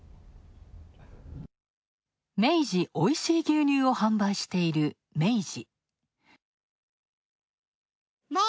明治おいしい牛乳を販売している明治。